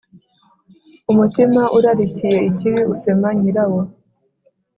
Umutima urarikiye ikibi usema nyirawo,